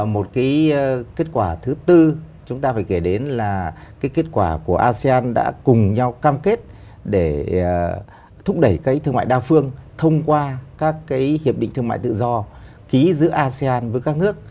một cái kết quả thứ tư chúng ta phải kể đến là cái kết quả của asean đã cùng nhau cam kết để thúc đẩy cái thương mại đa phương thông qua các cái hiệp định thương mại tự do ký giữa asean với các nước